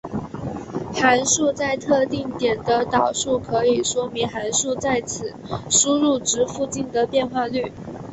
函数在特定点的导数可以说明函数在此输入值附近的变化率。